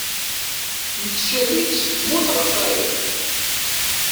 Yettcali seg tmurt ɣer tayeḍ.